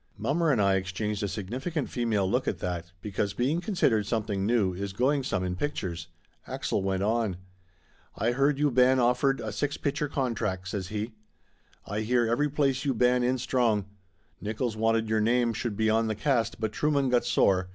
Mommer and I exchanged a significant female look at that, because being considered something new is going some in pictures. Axel went on. "Ay heard you ban offered a six picture contract," says he. "Ay hear every place you ban in strong. Nickolls wanted your name should be on the cast but Trueman got sore.